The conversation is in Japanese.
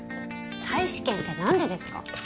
再試験って何でですか？